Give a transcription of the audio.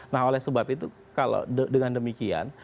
nah oleh sebab itu kalau dengan demikian